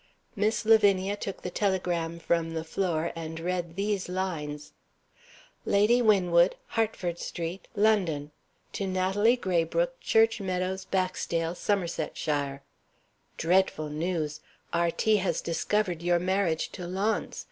Miss Lavinia took the telegram from the floor, and read these lines: "Lady Winwood, Hertford Street, London. To Natalie Graybrooke, Church Meadows, Baxdale, Somersetshire. Dreadful news. R. T. has discovered your marriage to Launce.